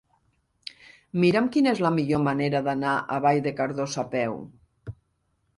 Mira'm quina és la millor manera d'anar a Vall de Cardós a peu.